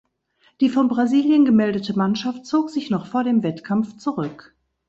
Die von Brasilien gemeldete Mannschaft zog sich noch vor dem Wettkampf zurück.